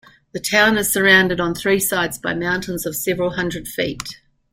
The town is surrounded on three sides by mountains of several hundred feet.